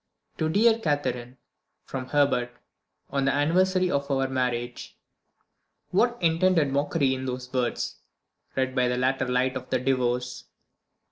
"To dear Catherine, from Herbert, on the anniversary of our marriage." What unintended mockery in those words, read by the later light of the Divorce!